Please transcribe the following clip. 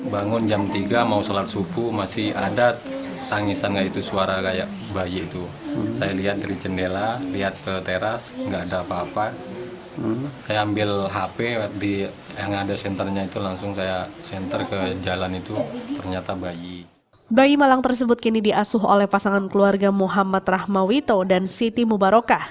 bayi malang tersebut kini diasuh oleh pasangan keluarga muhammad rahmawito dan siti mubarokah